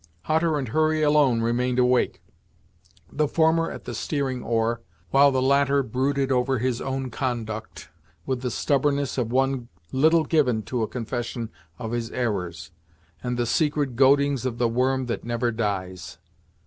Hutter and Hurry alone remained awake, the former at the steering oar, while the latter brooded over his own conduct, with the stubbornness of one little given to a confession of his errors, and the secret goadings of the worm that never dies.